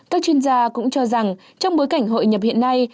các chuyên gia cũng cho rằng trong bối cảnh hội nhập hiện nay